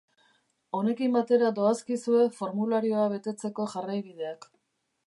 Honekin batera doazkizue formularioa betetzeko jarraibideak.